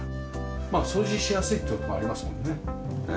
まあ掃除しやすいっていうのもありますもんね。